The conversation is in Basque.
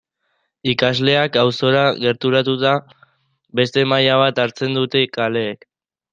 Ikasleak auzora gerturatuta beste maila bat hartzen dute kaleek.